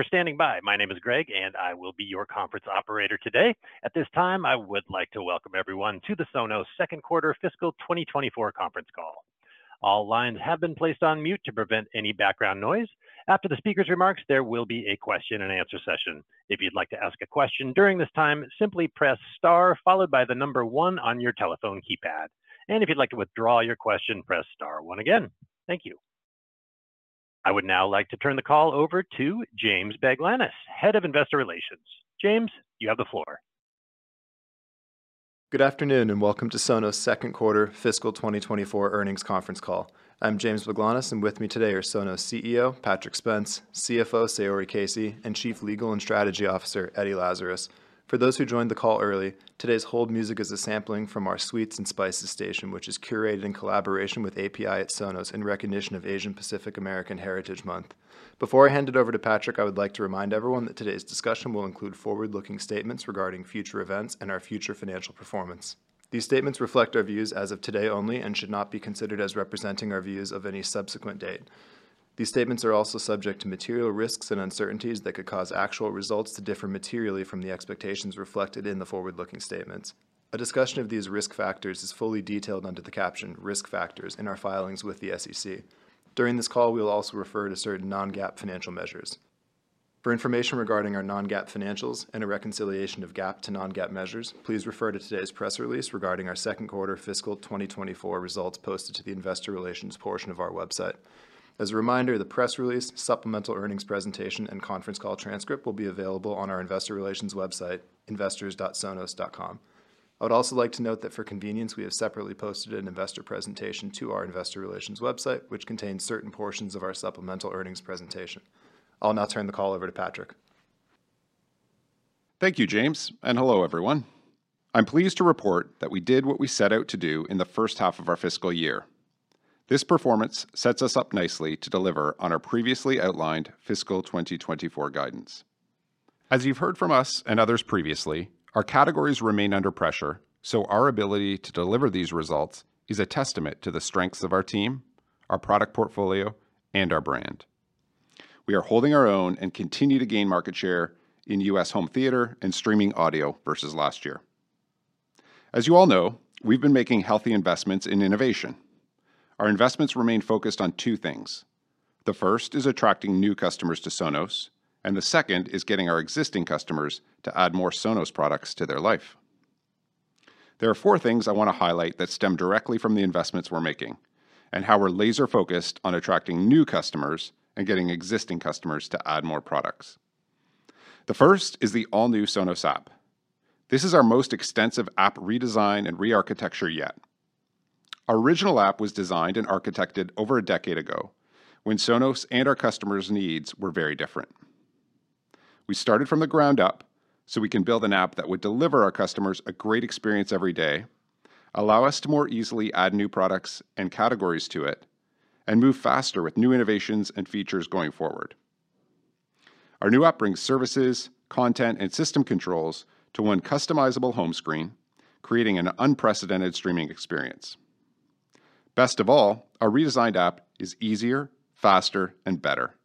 Thank you for standing by. My name is Greg, and I will be your conference operator today. At this time, I would like to welcome everyone to the Sonos second quarter fiscal 2024 conference call. All lines have been placed on mute to prevent any background noise. After the speaker's remarks, there will be a question and answer session. If you'd like to ask a question during this time, simply press star followed by the number one on your telephone keypad. And if you'd like to withdraw your question, press star one again. Thank you. I would now like to turn the call over to James Baglanis, Head of Investor Relations. James, you have the floor. Good afternoon, and welcome to Sonos' second quarter fiscal 2024 earnings conference call. I'm James Baglanis, and with me today are Sonos' CEO Patrick Spence, CFO Saori Casey, and Chief Legal and Strategy Officer Eddie Lazarus. For those who joined the call early, today's hold music is a sampling from our Sweets and Spices station, which is curated in collaboration with AAPI at Sonos in recognition of Asian Pacific American Heritage Month. Before I hand it over to Patrick, I would like to remind everyone that today's discussion will include forward-looking statements regarding future events and our future financial performance. These statements reflect our views as of today only and should not be considered as representing our views of any subsequent date. These statements are also subject to material risks and uncertainties that could cause actual results to differ materially from the expectations reflected in the forward-looking statements. A discussion of these risk factors is fully detailed under the caption Risk Factors in our filings with the SEC. During this call, we'll also refer to certain non-GAAP financial measures. For information regarding our non-GAAP financials and a reconciliation of GAAP to non-GAAP measures, please refer to today's press release regarding our second quarter fiscal 2024 results posted to the investor relations portion of our website. As a reminder, the press release, supplemental earnings presentation, and conference call transcript will be available on our investor relations website, investors.sonos.com. I would also like to note that for convenience, we have separately posted an investor presentation to our investor relations website, which contains certain portions of our supplemental earnings presentation. I'll now turn the call over to Patrick. Thank you, James, and hello, everyone. I'm pleased to report that we did what we set out to do in the first half of our fiscal year. This performance sets us up nicely to deliver on our previously outlined fiscal 2024 guidance. As you've heard from us and others previously, our categories remain under pressure, so our ability to deliver these results is a testament to the strengths of our team, our product portfolio, and our brand. We are holding our own and continue to gain market share in U.S. home theater and streaming audio versus last year. As you all know, we've been making healthy investments in innovation. Our investments remain focused on two things. The first is attracting new customers to Sonos, and the second is getting our existing customers to add more Sonos products to their life. There are four things I wanna highlight that stem directly from the investments we're making and how we're laser-focused on attracting new customers and getting existing customers to add more products. The first is the all-new Sonos app. This is our most extensive app redesign and rearchitecture yet. Our original app was designed and architected over a decade ago when Sonos and our customers' needs were very different. We started from the ground up so we can build an app that would deliver our customers a great experience every day, allow us to more easily add new products and categories to it, and move faster with new innovations and features going forward. Our new app brings services, content, and system controls to one customizable home screen, creating an unprecedented streaming experience. Best of all, our redesigned app is easier, faster, and better.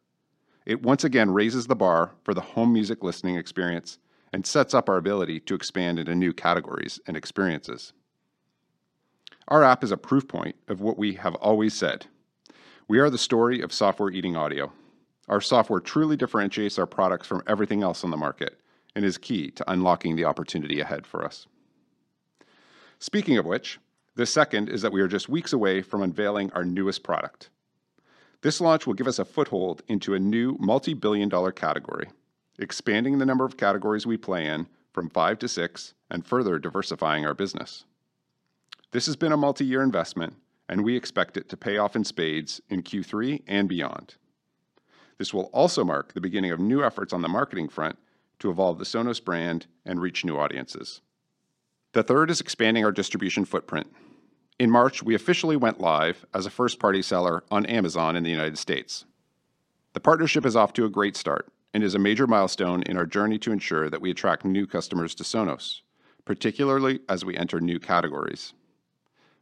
It once again raises the bar for the home music listening experience and sets up our ability to expand into new categories and experiences. Our app is a proof point of what we have always said: We are the story of software eating audio. Our software truly differentiates our products from everything else on the market and is key to unlocking the opportunity ahead for us. Speaking of which, the second is that we are just weeks away from unveiling our newest product. This launch will give us a foothold into a new multi-billion-dollar category, expanding the number of categories we play in from five to six and further diversifying our business. This has been a multi-year investment, and we expect it to pay off in spades in Q3 and beyond. This will also mark the beginning of new efforts on the marketing front to evolve the Sonos brand and reach new audiences. The third is expanding our distribution footprint. In March, we officially went live as a first-party seller on Amazon in the United States. The partnership is off to a great start and is a major milestone in our journey to ensure that we attract new customers to Sonos, particularly as we enter new categories.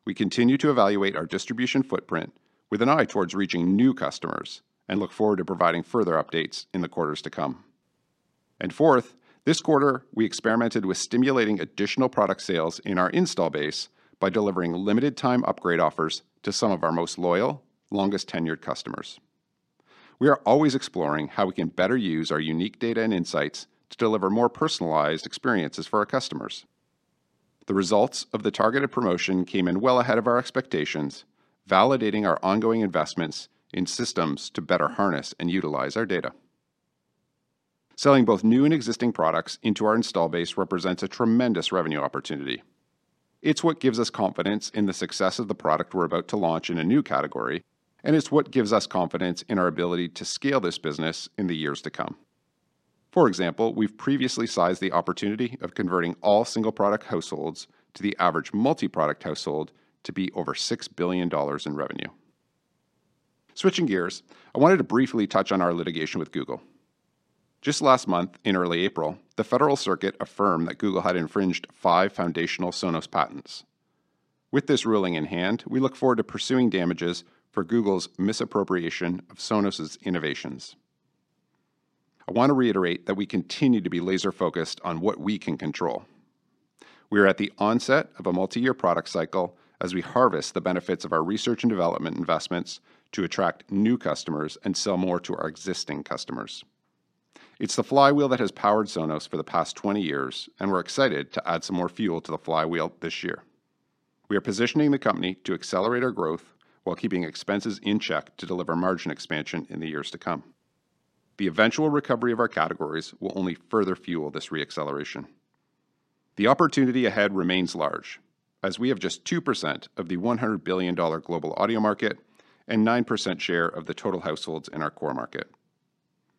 We continue to evaluate our distribution footprint with an eye towards reaching new customers and look forward to providing further updates in the quarters to come. And fourth, this quarter, we experimented with stimulating additional product sales in our install base by delivering limited time upgrade offers to some of our most loyal, longest-tenured customers. We are always exploring how we can better use our unique data and insights to deliver more personalized experiences for our customers. The results of the targeted promotion came in well ahead of our expectations, validating our ongoing investments in systems to better harness and utilize our data. Selling both new and existing products into our install base represents a tremendous revenue opportunity. It's what gives us confidence in the success of the product we're about to launch in a new category, and it's what gives us confidence in our ability to scale this business in the years to come. For example, we've previously sized the opportunity of converting all single-product households to the average multi-product household to be over $6 billion in revenue. Switching gears, I wanted to briefly touch on our litigation with Google. Just last month, in early April, the Federal Circuit affirmed that Google had infringed five foundational Sonos patents. With this ruling in hand, we look forward to pursuing damages for Google's misappropriation of Sonos's innovations. I want to reiterate that we continue to be laser-focused on what we can control. We are at the onset of a multi-year product cycle as we harvest the benefits of our research and development investments to attract new customers and sell more to our existing customers. It's the flywheel that has powered Sonos for the past 20 years, and we're excited to add some more fuel to the flywheel this year. We are positioning the company to accelerate our growth while keeping expenses in check to deliver margin expansion in the years to come. The eventual recovery of our categories will only further fuel this re-acceleration. The opportunity ahead remains large, as we have just 2% of the $100 billion global audio market and 9% share of the total households in our core market.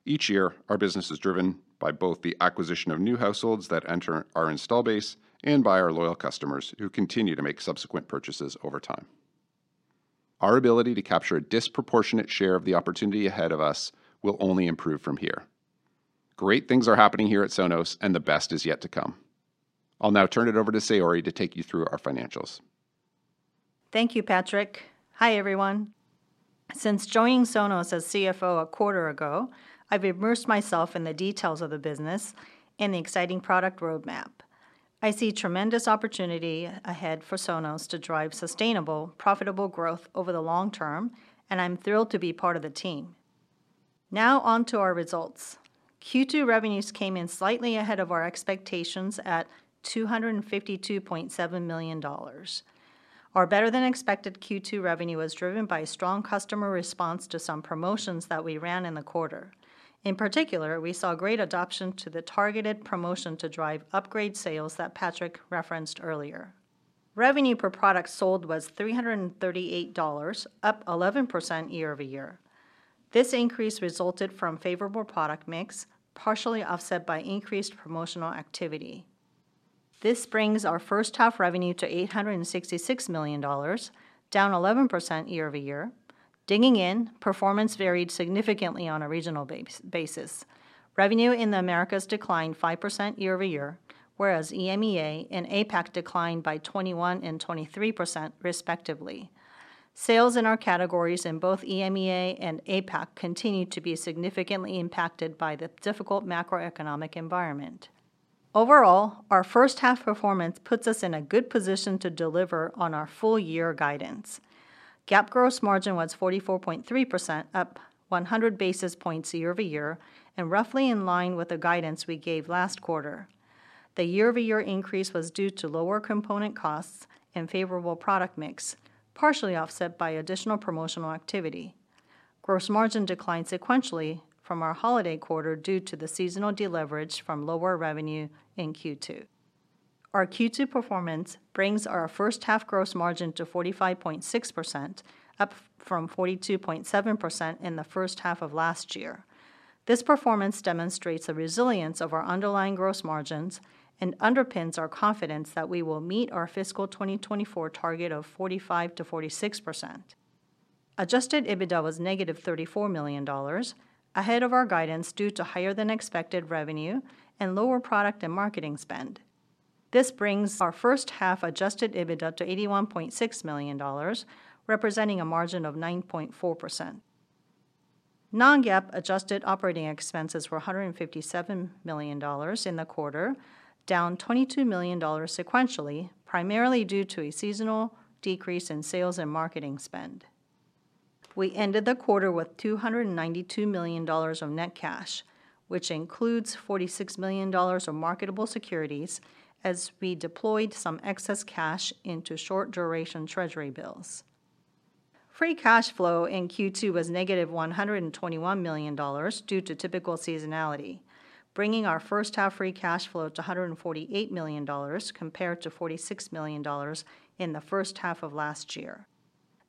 Each year, our business is driven by both the acquisition of new households that enter our install base and by our loyal customers who continue to make subsequent purchases over time. Our ability to capture a disproportionate share of the opportunity ahead of us will only improve from here. Great things are happening here at Sonos, and the best is yet to come. I'll now turn it over to Saori to take you through our financials. Thank you, Patrick. Hi, everyone. Since joining Sonos as CFO a quarter ago, I've immersed myself in the details of the business and the exciting product roadmap. I see tremendous opportunity ahead for Sonos to drive sustainable, profitable growth over the long term, and I'm thrilled to be part of the team. Now on to our results. Q2 revenues came in slightly ahead of our expectations at $252.7 million. Our better-than-expected Q2 revenue was driven by a strong customer response to some promotions that we ran in the quarter. In particular, we saw great adoption to the targeted promotion to drive upgrade sales that Patrick referenced earlier. Revenue per product sold was $338, up 11% year-over-year. This increase resulted from favorable product mix, partially offset by increased promotional activity. This brings our first half revenue to $866 million, down 11% year-over-year. Digging in, performance varied significantly on a regional basis. Revenue in the Americas declined 5% year-over-year, whereas EMEA and APAC declined by 21% and 23% respectively. Sales in our categories in both EMEA and APAC continued to be significantly impacted by the difficult macroeconomic environment. Overall, our first half performance puts us in a good position to deliver on our full year guidance. GAAP gross margin was 44.3%, up 100 basis points year-over-year, and roughly in line with the guidance we gave last quarter. The year-over-year increase was due to lower component costs and favorable product mix, partially offset by additional promotional activity. Gross margin declined sequentially from our holiday quarter due to the seasonal deleverage from lower revenue in Q2. Our Q2 performance brings our first half gross margin to 45.6%, up from 42.7% in the first half of last year. This performance demonstrates the resilience of our underlying gross margins and underpins our confidence that we will meet our fiscal 2024 target of 45%-46%. Adjusted EBITDA was -$34 million, ahead of our guidance due to higher-than-expected revenue and lower product and marketing spend. This brings our first half adjusted EBITDA to $81.6 million, representing a margin of 9.4%. Non-GAAP adjusted operating expenses were $157 million in the quarter, down $22 million sequentially, primarily due to a seasonal decrease in sales and marketing spend. We ended the quarter with $292 million of net cash, which includes $46 million of marketable securities, as we deployed some excess cash into short-duration Treasury bills. Free cash flow in Q2 was -$121 million due to typical seasonality, bringing our first half free cash flow to $148 million, compared to $46 million in the first half of last year.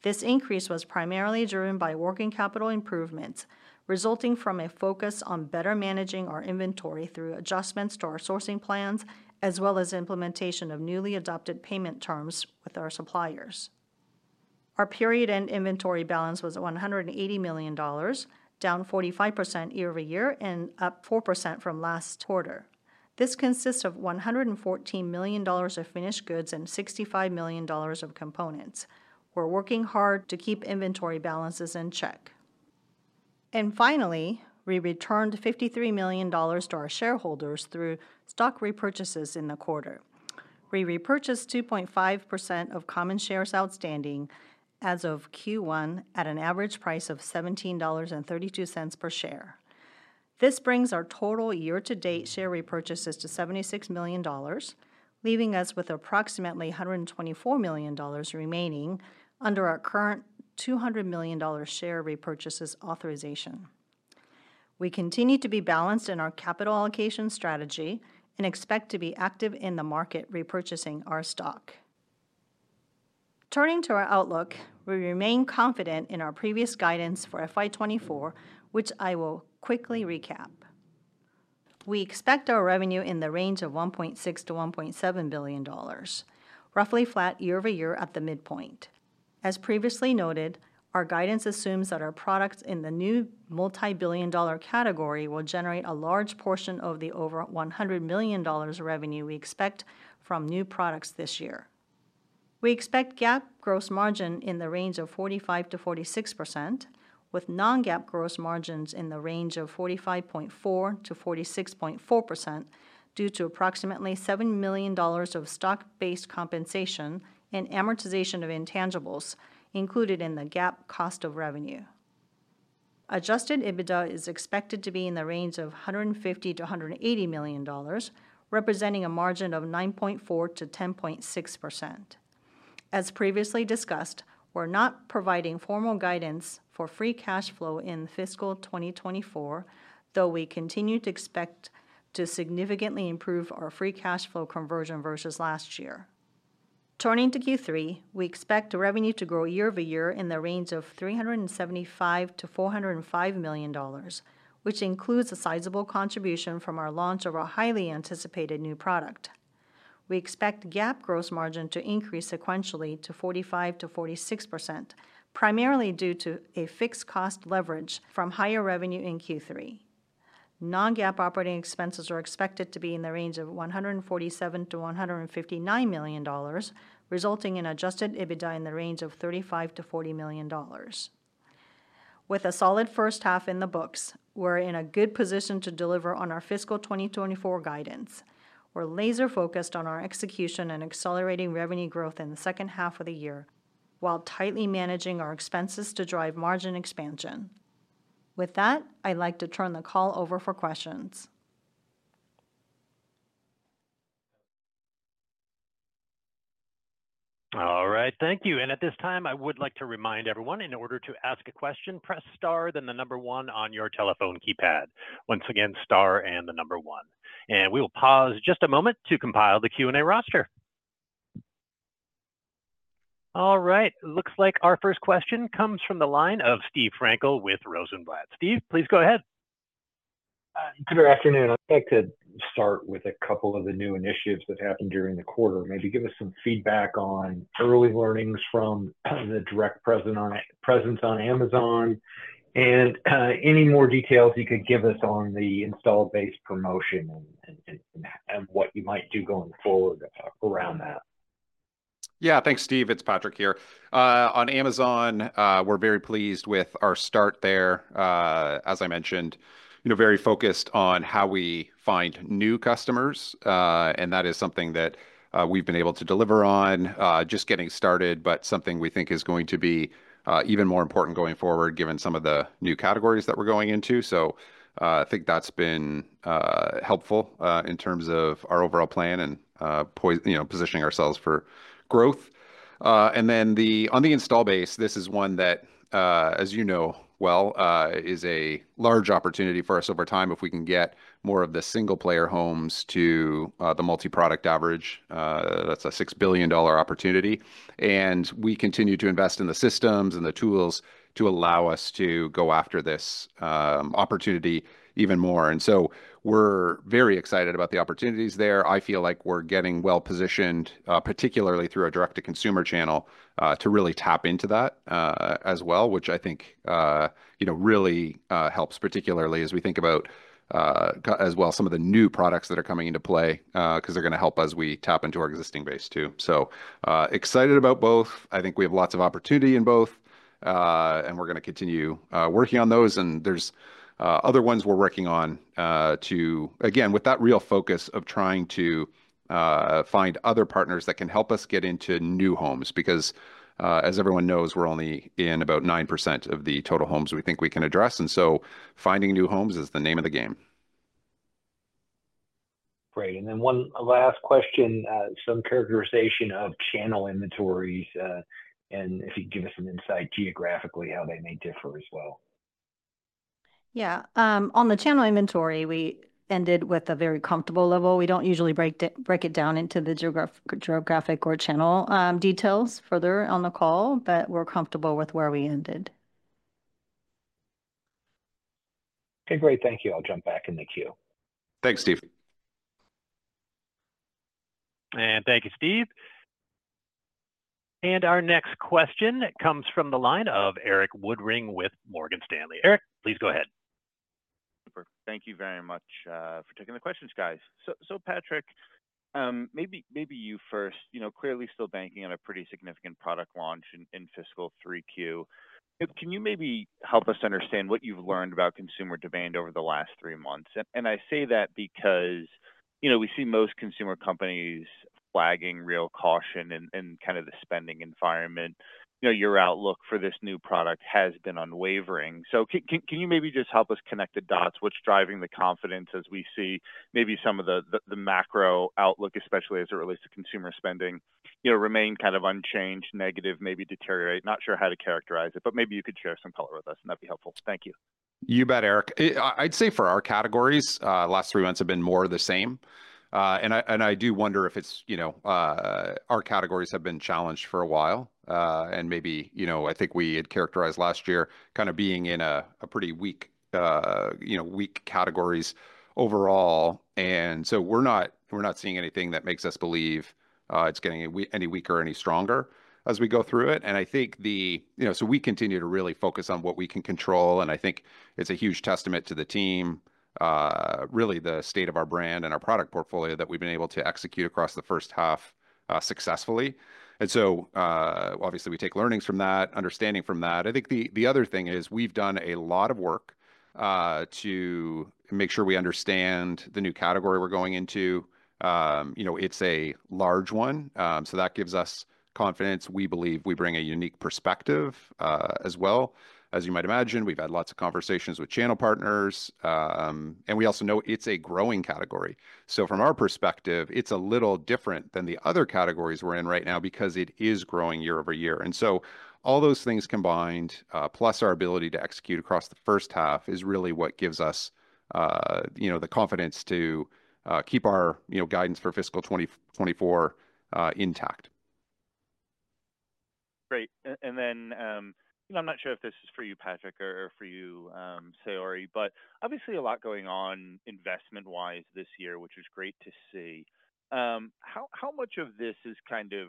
This increase was primarily driven by working capital improvements, resulting from a focus on better managing our inventory through adjustments to our sourcing plans, as well as implementation of newly adopted payment terms with our suppliers. Our period-end inventory balance was $180 million, down 45% year-over-year and up 4% from last quarter. This consists of $114 million of finished goods and $65 million of components. We're working hard to keep inventory balances in check. And finally, we returned $53 million to our shareholders through stock repurchases in the quarter. We repurchased 2.5% of common shares outstanding as of Q1 at an average price of $17.32 per share. This brings our total year-to-date share repurchases to $76 million, leaving us with approximately $124 million remaining under our current $200 million share repurchases authorization. We continue to be balanced in our capital allocation strategy and expect to be active in the market repurchasing our stock. Turning to our outlook, we remain confident in our previous guidance for FY 2024, which I will quickly recap. We expect our revenue in the range of $1.6-$1.7 billion, roughly flat year-over-year at the midpoint. As previously noted, our guidance assumes that our products in the new multibillion dollar category will generate a large portion of the over $100 million revenue we expect from new products this year. We expect GAAP gross margin in the range of 45%-46%, with non-GAAP gross margins in the range of 45.4%-46.4%, due to approximately $7 million of stock-based compensation and amortization of intangibles included in the GAAP cost of revenue. Adjusted EBITDA is expected to be in the range of $150-$180 million, representing a margin of 9.4%-10.6%. As previously discussed, we're not providing formal guidance for free cash flow in fiscal 2024, though we continue to expect to significantly improve our free cash flow conversion versus last year. Turning to Q3, we expect revenue to grow year-over-year in the range of $375 million-$405 million, which includes a sizable contribution from our launch of our highly anticipated new product. We expect GAAP gross margin to increase sequentially to 45%-46%, primarily due to a fixed cost leverage from higher revenue in Q3. Non-GAAP operating expenses are expected to be in the range of $147 million-$159 million, resulting in adjusted EBITDA in the range of $35 million-$40 million. With a solid first half in the books, we're in a good position to deliver on our fiscal 2024 guidance. We're laser focused on our execution and accelerating revenue growth in the second half of the year, while tightly managing our expenses to drive margin expansion. With that, I'd like to turn the call over for questions. All right, thank you. And at this time, I would like to remind everyone, in order to ask a question, press star, then the number one on your telephone keypad. Once again, star and the number one. And we will pause just a moment to compile the Q&A roster. All right, looks like our first question comes from the line of Steve Frankel with Rosenblatt. Steve, please go ahead. Good afternoon. I'd like to start with a couple of the new initiatives that happened during the quarter. Maybe give us some feedback on early learnings from the direct presence on Amazon, and any more details you could give us on the install base promotion and what you might do going forward around that. Yeah, thanks, Steve. It's Patrick here. On Amazon, we're very pleased with our start there. As I mentioned, you know, very focused on how we find new customers, and that is something that we've been able to deliver on. Just getting started, but something we think is going to be even more important going forward, given some of the new categories that we're going into. So, I think that's been helpful in terms of our overall plan and, you know, positioning ourselves for growth. And then on the install base, this is one that, as you know well, is a large opportunity for us over time if we can get more of the single-player homes to the multi-product average. That's a $6 billion opportunity, and we continue to invest in the systems and the tools to allow us to go after this opportunity even more. So we're very excited about the opportunities there. I feel like we're getting well-positioned, particularly through our direct-to-consumer channel, to really tap into that, as well, which I think, you know, really helps, particularly as we think about, as well, some of the new products that are coming into play, 'cause they're gonna help as we tap into our existing base too. So, excited about both. I think we have lots of opportunity in both, and we're gonna continue working on those. And there's other ones we're working on, to... Again, with that real focus of trying to find other partners that can help us get into new homes. Because, as everyone knows, we're only in about 9% of the total homes we think we can address, and so finding new homes is the name of the game. Great. And then one last question, some characterization of channel inventories, and if you'd give us some insight geographically, how they may differ as well? Yeah. On the channel inventory, we ended with a very comfortable level. We don't usually break it down into the geographic or channel details further on the call, but we're comfortable with where we ended. Okay, great. Thank you. I'll jump back in the queue. Thanks, Steve. And thank you, Steve. And our next question comes from the line of Erik Woodring with Morgan Stanley. Eric, please go ahead. Super. Thank you very much for taking the questions, guys. So, Patrick, maybe you first. You know, clearly still banking on a pretty significant product launch in fiscal 3Q. Can you maybe help us understand what you've learned about consumer demand over the last 3 months? And I say that because, you know, we see most consumer companies flagging real caution in kind of the spending environment. You know, your outlook for this new product has been unwavering. So can you maybe just help us connect the dots? What's driving the confidence as we see maybe some of the macro outlook, especially as it relates to consumer spending, you know, remain kind of unchanged, negative, maybe deteriorate? Not sure how to characterize it, but maybe you could share some color with us, and that'd be helpful. Thank you. You bet, Eric. I'd say for our categories, last three months have been more of the same. And I do wonder if it's, you know, our categories have been challenged for a while, and maybe, you know, I think we had characterized last year kind of being in a pretty weak, you know, weak categories overall. And so we're not seeing anything that makes us believe it's getting any weaker or any stronger as we go through it. And I think the, you know, so we continue to really focus on what we can control, and I think it's a huge testament to the team, really the state of our brand and our product portfolio, that we've been able to execute across the first half successfully. And so, obviously, we take learnings from that, understanding from that. I think the other thing is, we've done a lot of work to make sure we understand the new category we're going into. You know, it's a large one, so that gives us confidence. We believe we bring a unique perspective, as well. As you might imagine, we've had lots of conversations with channel partners, and we also know it's a growing category. So from our perspective, it's a little different than the other categories we're in right now because it is growing year over year. And so all those things combined, plus our ability to execute across the first half, is really what gives us, you know, the confidence to keep our, you know, guidance for fiscal 2024, intact. Great. And then, you know, I'm not sure if this is for you, Patrick, or for you, Saori, but obviously a lot going on investment-wise this year, which is great to see. How much of this is kind of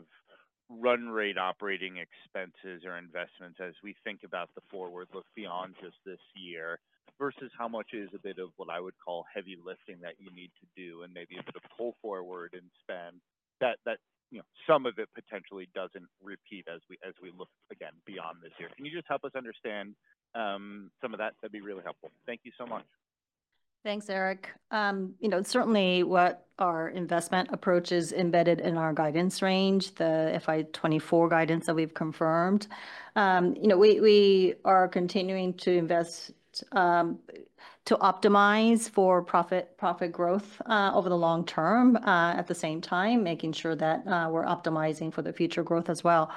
run rate operating expenses or investments as we think about the forward look beyond just this year, versus how much is a bit of what I would call heavy lifting that you need to do, and maybe a bit of pull forward in spend, that you know, some of it potentially doesn't repeat as we look again beyond this year? Can you just help us understand some of that? That'd be really helpful. Thank you so much. Thanks, Eric. You know, certainly what our investment approach is embedded in our guidance range, the FY 2024 guidance that we've confirmed. You know, we, we are continuing to invest, to optimize for profit, profit growth, over the long term, at the same time, making sure that, we're optimizing for the future growth as well.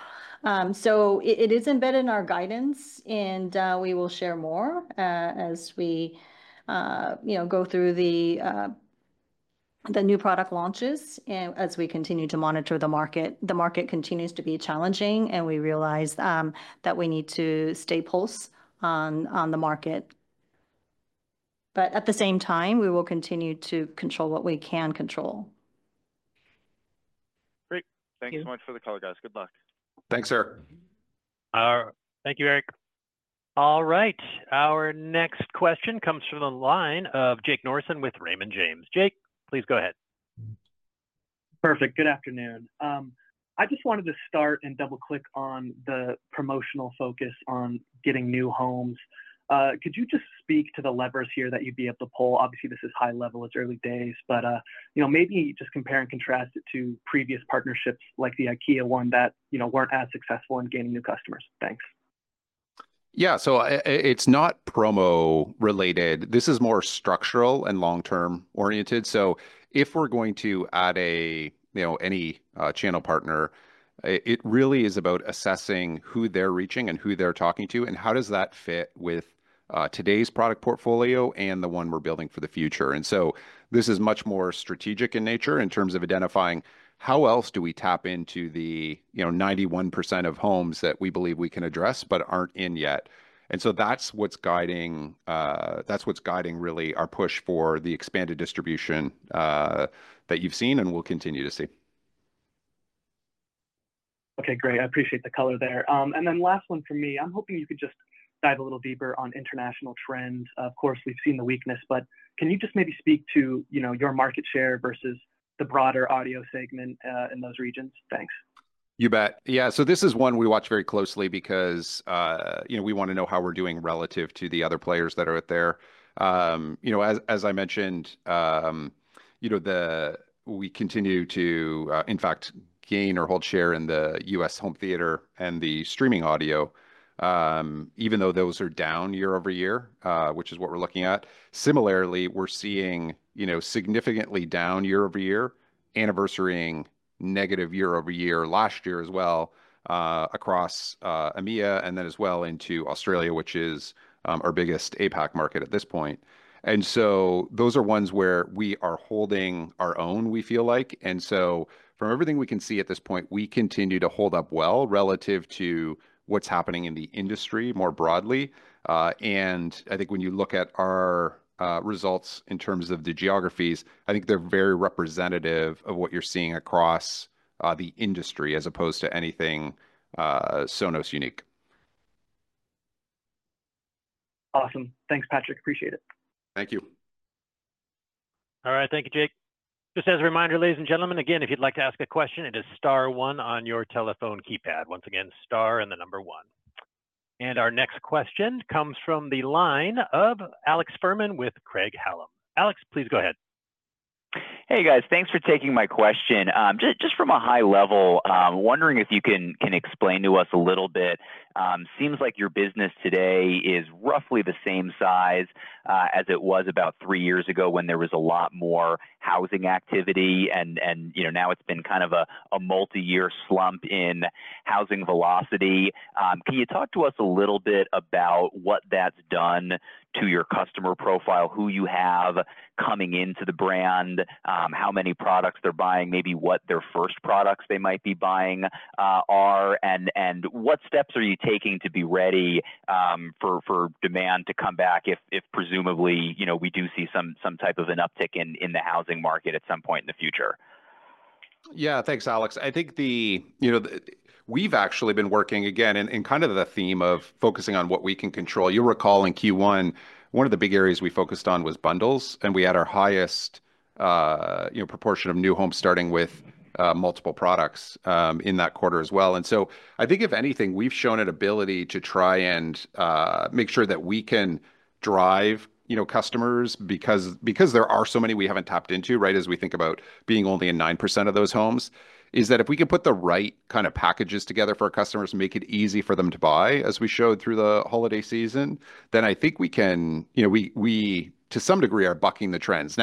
So it, it is embedded in our guidance, and, we will share more, as we, you know, go through the, the new product launches and as we continue to monitor the market. The market continues to be challenging, and we realize, that we need to stay pulse on, on the market. But at the same time, we will continue to control what we can control. Great. Thank you. Thanks so much for the call, guys. Good luck. Thanks, Eric. Thank you, Eric. All right, our next question comes from the line of Jake Norrison with Raymond James. Jake, please go ahead. Perfect. Good afternoon. I just wanted to start and double-click on the promotional focus on getting new homes. Could you just speak to the levers here that you'd be able to pull? Obviously, this is high level, it's early days, but, you know, maybe just compare and contrast it to previous partnerships, like the IKEA one, that, you know, weren't as successful in gaining new customers. Thanks. Yeah, so it's not promo related. This is more structural and long-term oriented. So if we're going to add a, you know, any, channel partner, it really is about assessing who they're reaching and who they're talking to, and how does that fit with, today's product portfolio and the one we're building for the future? And so this is much more strategic in nature in terms of identifying how else do we tap into the, you know, 91% of homes that we believe we can address but aren't in yet. And so that's what's guiding, that's what's guiding really our push for the expanded distribution, that you've seen and will continue to see. Okay, great. I appreciate the color there. And then last one for me. I'm hoping you could just dive a little deeper on international trends. Of course, we've seen the weakness, but can you just maybe speak to, you know, your market share versus the broader audio segment, in those regions? Thanks. You bet. Yeah, so this is one we watch very closely because, you know, we wanna know how we're doing relative to the other players that are out there. You know, as I mentioned, you know, we continue to, in fact, gain or hold share in the U.S. home theater and the streaming audio, even though those are down year-over-year, which is what we're looking at. Similarly, we're seeing, you know, significantly down year-over-year, anniversarying negative year-over-year last year as well, across EMEA, and then as well into Australia, which is our biggest APAC market at this point. And so those are ones where we are holding our own, we feel like. From everything we can see at this point, we continue to hold up well relative to what's happening in the industry more broadly. I think when you look at our results in terms of the geographies, I think they're very representative of what you're seeing across the industry as opposed to anything Sonos unique. Awesome. Thanks, Patrick. Appreciate it. Thank you. All right. Thank you, Jake. Just as a reminder, ladies and gentlemen, again, if you'd like to ask a question, it is star one on your telephone keypad. Once again, star and the number one. And our next question comes from the line of Alex Fuhrman with Craig-Hallum. Alex, please go ahead. Hey, guys. Thanks for taking my question. Just from a high level, wondering if you can explain to us a little bit. Seems like your business today is roughly the same size as it was about three years ago when there was a lot more housing activity, and you know, now it's been kind of a multi-year slump in housing velocity. Can you talk to us a little bit about what that's done to your customer profile, who you have coming into the brand, how many products they're buying, maybe what their first products they might be buying are, and what steps are you taking to be ready for demand to come back, if presumably, you know, we do see some type of an uptick in the housing market at some point in the future?... Yeah, thanks, Alex. I think, you know, we've actually been working, again, in kind of the theme of focusing on what we can control. You'll recall in Q1, one of the big areas we focused on was bundles, and we had our highest, you know, proportion of new homes starting with multiple products in that quarter as well. And so I think if anything, we've shown an ability to try and make sure that we can drive, you know, customers. Because there are so many we haven't tapped into, right, as we think about being only in 9% of those homes, is that if we can put the right kind of packages together for our customers, make it easy for them to buy, as we showed through the holiday season, then I think we can... You know, we to some degree are bucking the trends.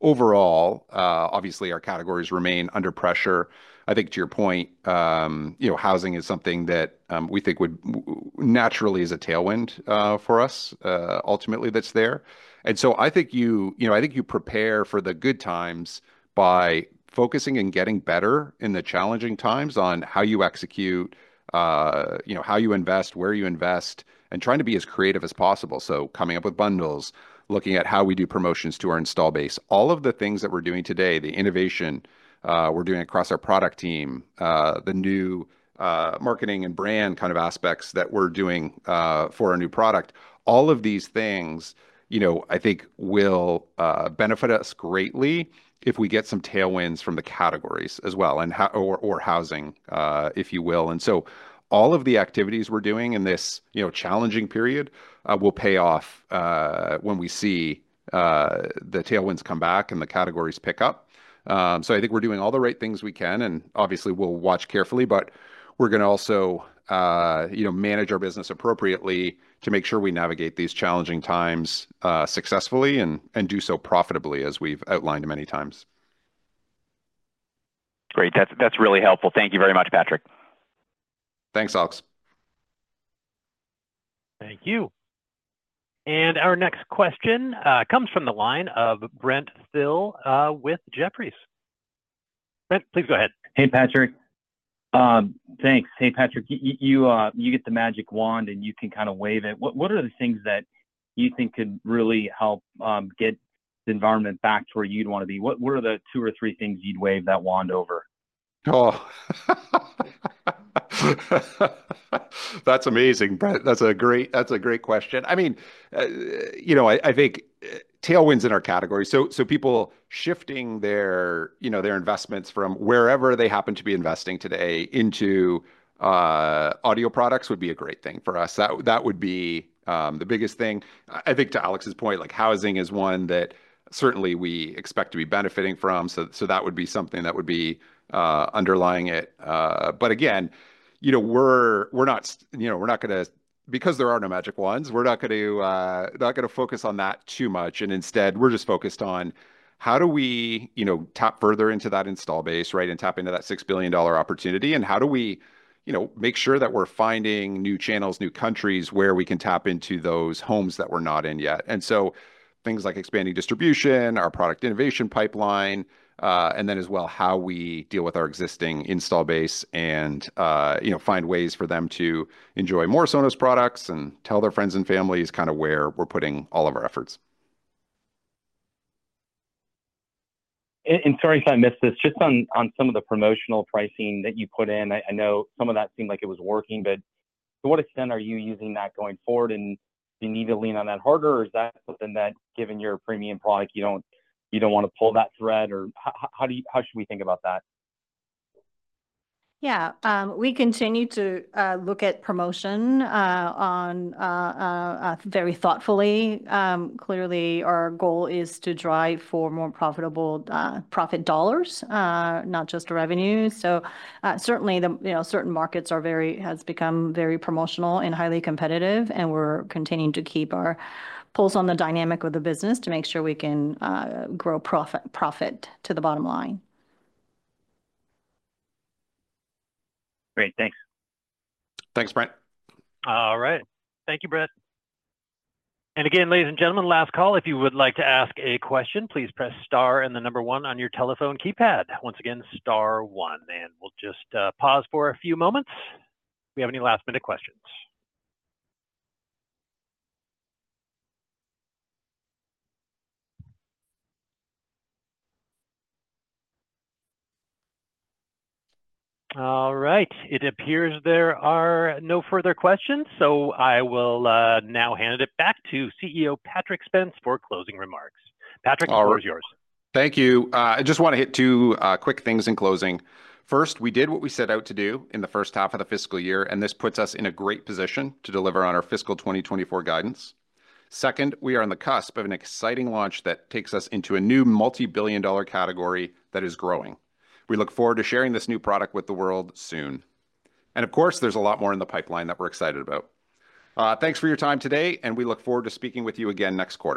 Now, overall, obviously, our categories remain under pressure. I think to your point, you know, housing is something that we think would naturally is a tailwind for us, ultimately, that's there. And so I think you, you know, I think you prepare for the good times by focusing and getting better in the challenging times on how you execute, you know, how you invest, where you invest, and trying to be as creative as possible. So coming up with bundles, looking at how we do promotions to our install base. All of the things that we're doing today, the innovation we're doing across our product team, the new marketing and brand kind of aspects that we're doing for our new product, all of these things, you know, I think will benefit us greatly if we get some tailwinds from the categories as well, and, or housing, if you will. And so all of the activities we're doing in this, you know, challenging period will pay off when we see the tailwinds come back and the categories pick up. So I think we're doing all the right things we can, and obviously, we'll watch carefully, but we're gonna also, you know, manage our business appropriately to make sure we navigate these challenging times successfully, and do so profitably, as we've outlined many times. Great. That's, that's really helpful. Thank you very much, Patrick. Thanks, Alex. Thank you. Our next question comes from the line of Brent Thill with Jefferies. Brent, please go ahead. Hey, Patrick. Thanks. Hey, Patrick, you get the magic wand, and you can kind of wave it. What, what are the things that you think could really help get the environment back to where you'd want to be? What, what are the two or three things you'd wave that wand over? Oh, that's amazing, Brent. That's a great, that's a great question. I mean, you know, I, I think tailwinds in our category. So, so people shifting their, you know, their investments from wherever they happen to be investing today into, audio products would be a great thing for us. That, that would be, the biggest thing. I, I think, to Alex's point, like, housing is one that certainly we expect to be benefiting from, so, so that would be something that would be, underlying it. But again, you know, we're, we're not st- you know, we're not gonna... Because there are no magic wands, we're not going to, not gonna focus on that too much, and instead, we're just focused on how do we, you know, tap further into that install base, right, and tap into that $6 billion opportunity, and how do we, you know, make sure that we're finding new channels, new countries, where we can tap into those homes that we're not in yet. And so things like expanding distribution, our product innovation pipeline, and then as well, how we deal with our existing install base and, you know, find ways for them to enjoy more Sonos products and tell their friends and families, kind of where we're putting all of our efforts. And sorry if I missed this, just on some of the promotional pricing that you put in, I know some of that seemed like it was working, but to what extent are you using that going forward, and do you need to lean on that harder, or is that something that, given your premium product, you don't want to pull that thread? Or how should we think about that? Yeah, we continue to look at promotion very thoughtfully. Clearly, our goal is to drive for more profitable profit dollars, not just revenue. So, certainly the, you know, certain markets are very, has become very promotional and highly competitive, and we're continuing to keep our pulse on the dynamic of the business to make sure we can grow profit, profit to the bottom line. Great, thanks. Thanks, Brent. All right. Thank you, Brent. And again, ladies and gentlemen, last call. If you would like to ask a question, please press star and the number one on your telephone keypad. Once again, star one, and we'll just pause for a few moments if you have any last-minute questions. All right, it appears there are no further questions, so I will now hand it back to CEO Patrick Spence for closing remarks. Patrick- All right... the floor is yours. Thank you. I just want to hit two quick things in closing. First, we did what we set out to do in the first half of the fiscal year, and this puts us in a great position to deliver on our fiscal 2024 guidance. Second, we are on the cusp of an exciting launch that takes us into a new multi-billion dollar category that is growing. We look forward to sharing this new product with the world soon. And of course, there's a lot more in the pipeline that we're excited about. Thanks for your time today, and we look forward to speaking with you again next quarter.